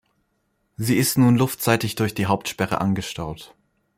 Sie ist nun luftseitig durch die Hauptsperre angestaut.